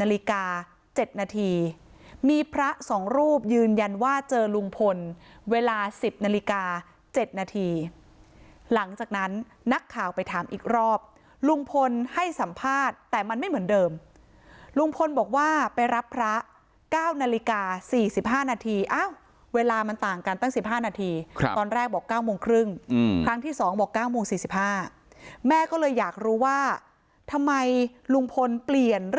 นาฬิกา๗นาทีมีพระ๒รูปยืนยันว่าเจอลุงพลเวลา๑๐นาฬิกา๗นาทีหลังจากนั้นนักข่าวไปถามอีกรอบลุงพลให้สัมภาษณ์แต่มันไม่เหมือนเดิมลุงพลบอกว่าไปรับพระ๙นาฬิกา๔๕นาทีอ้าวเวลามันต่างกันตั้ง๑๕นาทีตอนแรกบอก๙โมงครึ่งครั้งที่๒บอก๙โมง๔๕แม่ก็เลยอยากรู้ว่าทำไมลุงพลเปลี่ยน